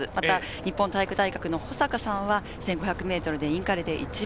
日本体育大学の保坂さんは１５００ｍでインカレで一番。